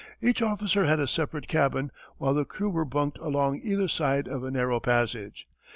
Each officer had a separate cabin while the crew were bunked along either side of a narrow passage.